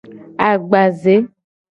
Agbaze.